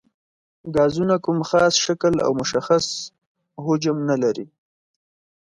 ګازونه کوم خاص شکل او مشخص حجم نه لري.